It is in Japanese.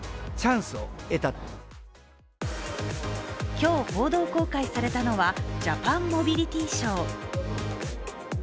今日、報道公開されたのはジャパンモビリティショー。